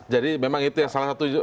jadi memang itu yang salah satu